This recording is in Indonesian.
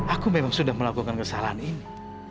aku memang sudah melakukan kesalahan ini